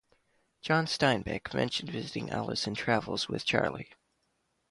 John Steinbeck mentioned visiting Alice in Travels with Charley.